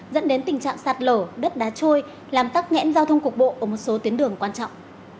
dẫn đến tình trạng sạt lở đất đá trôi làm tắc nghẽn giao thông cục bộ ở một số tuyến đường quan trọng